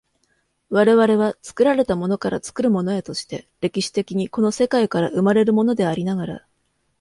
我々は作られたものから作るものへとして、歴史的にこの世界から生まれるものでありながら、